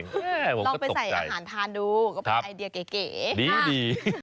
ลองไปใส่อาหารทานดูก็เป็นไอเดียเก๋ดี